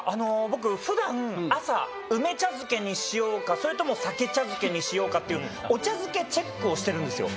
僕ふだん朝梅茶漬けにしようかそれとも鮭茶漬けにしようかっていうお茶漬けチェックをしてるんですよ